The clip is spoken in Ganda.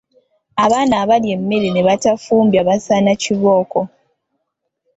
Abaana abalya emmere ne batafumbya basaana kibooko.